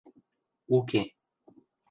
– Уке.